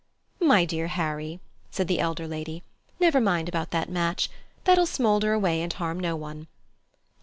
"My dear Harry!" said the elder lady, "never mind about that match. That'll smoulder away and harm no one.